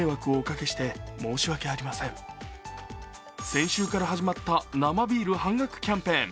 先週から始まった生ビール半額キャンペーン。